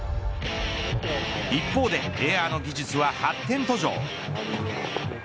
一方でエアの技術は発展途上。